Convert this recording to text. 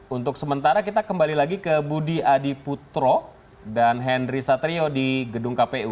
untuk sementara kita kembali lagi ke budi adiputro dan henry satrio di gedung kpu